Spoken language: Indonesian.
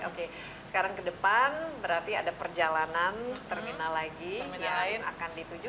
oke sekarang ke depan berarti ada perjalanan terminal lagi yang akan dituju